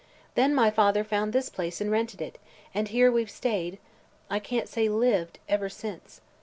Then my father found this place and rented it, and here we've stayed I can't say 'lived' ever since.